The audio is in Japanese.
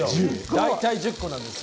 大体１０個なんですよ。